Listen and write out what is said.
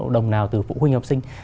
đồng nào từ phụ huynh học sinh